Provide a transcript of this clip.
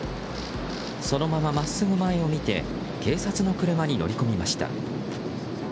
そのまま真っすぐ前を見て警察の車に乗り込みました。